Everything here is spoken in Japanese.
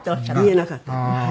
言えなかった。